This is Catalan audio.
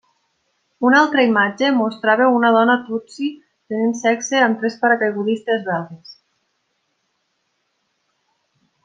Una altra imatge mostrava una dona tutsi tenint sexe amb tres paracaigudistes belgues.